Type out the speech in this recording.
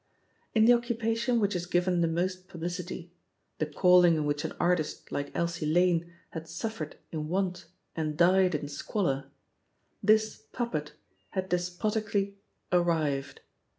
In the occupation which is given the most publicity — ^the calling in which an artist like Elsie Lane had suffered in want and died in squalor — ^this puppet had despotically "ar rived."